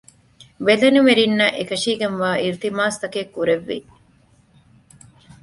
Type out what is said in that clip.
ބެލެނިވެރިންނަށް އެކަށީގެންވާ އިލްތިމާސްތަކެއް ކުރެއްވި